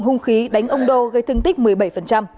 hung khí đánh ông đô gây thương tích một mươi bảy